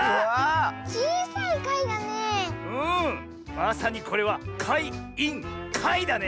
まさにこれはかいインかいだね。